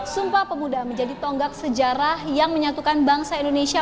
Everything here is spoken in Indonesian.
sumpah pemuda menjadi tonggak sejarah yang menyatukan bangsa indonesia